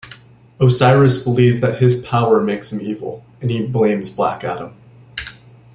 Osiris believes that his powers make him evil, and he blames Black Adam.